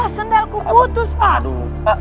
sendal ku putus pak